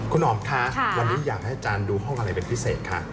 คุณอ๋อมค่ะวันนี้อยากให้อาจารย์ดูห้องอะไรเป็นพิเศษค่ะ